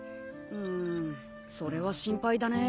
んそれは心配だね。